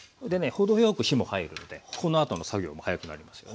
程よく火も入るんでこのあとの作業も早くなりますよね。